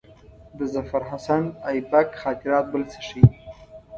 د ظفرحسن آیبک خاطرات بل څه ښيي.